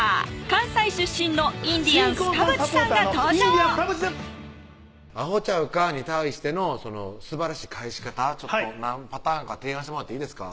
関西出身のインディアンス田渕さんが登場「アホちゃうか？」に対してのすばらしい返し方何パターンか提案してもらっていいですか？